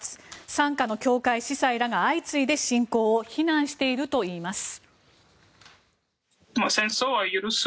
傘下の教会、司祭らが相次いで侵攻を非難しているといいます。